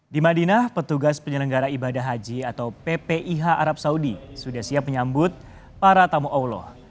di madinah petugas penyelenggara ibadah haji atau ppih arab saudi sudah siap menyambut para tamu allah